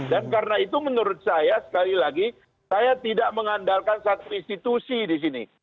dan karena itu menurut saya sekali lagi saya tidak mengandalkan satu institusi di sini